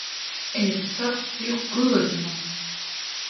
Ерцахә иқәгылазма?